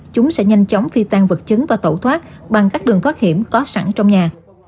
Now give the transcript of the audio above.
chúng sẽ nhanh chóng phi tan vật chứng và tẩu thoát bằng các đường thoát hiểm có sẵn trong nhà